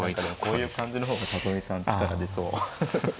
こういう感じの方が里見さん力出そう。